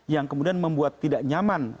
yang kemudian membuat tidak nyaman